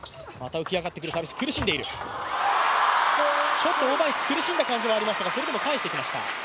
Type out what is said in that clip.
ちょっと王曼イク、苦しんだ感じがしましたが、それでも返していきました。